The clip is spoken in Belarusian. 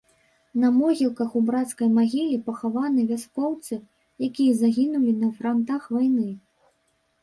На могілках у брацкай магіле пахаваны вяскоўцы, якія загінулі на франтах вайны.